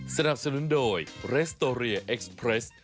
สนับสนุนโดยเรสโตเรียเอ็กซ์เพรส